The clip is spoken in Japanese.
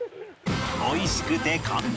おいしくて簡単！